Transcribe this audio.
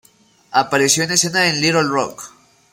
Apareció en escena en Little Rock.